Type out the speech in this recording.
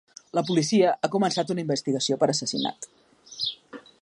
La policia ha començat una investigació per assassinat.